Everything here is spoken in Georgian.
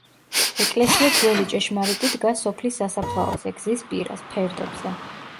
ეკლესია ძველი ჭეშმარიტი დგას სოფლის სასაფლაოზე, გზის პირას, ფერდობზე.